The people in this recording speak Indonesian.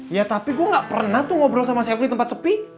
ya tapi gue gak pernah tuh ngobrol sama safri tempat sepi